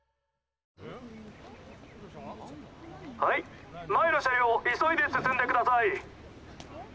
はい前の車両急いで進んでください。